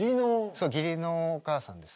そう義理のお母さんです。